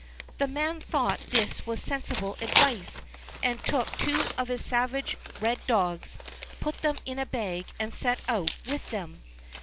The man thought this was sensible advice and took two of his savage red dogs, put them in a bag and set out with them.